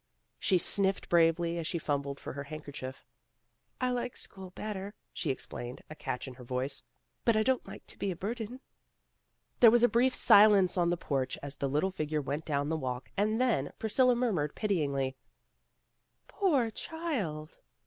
She sniffed bravely as she fumbled for her handkerchief. "I like school better," she explained, a catch in her voice. '* But I don 't like to be a burden. '' There was a brief silence on the porch as the little figure went down the walk, and then Priscilla murmured pityingly, "Poor child!"